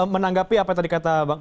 menanggapi apa yang terjadi